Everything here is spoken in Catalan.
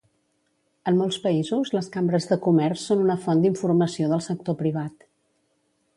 En molts països, les Cambres de Comerç són una font d'informació del sector privat.